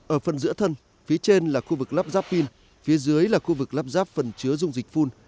ở phần giữa thân phía trên là khu vực lắp ráp pin phía dưới là khu vực lắp ráp phần chứa dung dịch phun